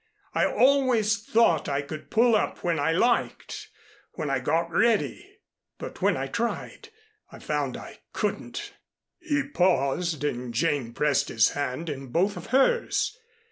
I always thought I could pull up when I liked when I got ready. But when I tried I found I couldn't." He paused and Jane pressed his hand in both of hers.